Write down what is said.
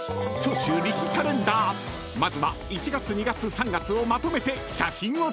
［まずは１月・２月・３月をまとめて写真を撮ります］